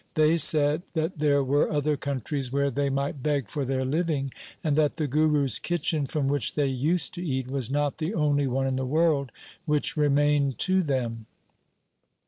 They said that there were other countries where they might beg for their living, and that the Guru's kitchen from which they used to eat, was not the only one in the world which remained to them.